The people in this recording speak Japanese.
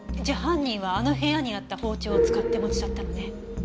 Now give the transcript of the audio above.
じゃあ犯人はあの部屋にあった包丁を使って持ち去ったのね。